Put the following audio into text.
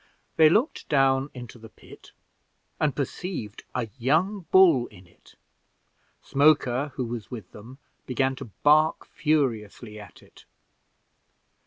They looked down into the pit and perceived a young bull in it. Smoker, who was with him, began to bark furiously at it.